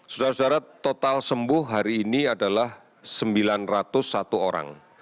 saudara saudara total sembuh hari ini adalah sembilan ratus satu orang